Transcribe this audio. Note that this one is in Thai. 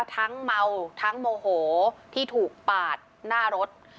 เมาทั้งโมโหที่ถูกปาดหน้ารถ